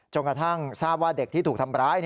กระทั่งทราบว่าเด็กที่ถูกทำร้าย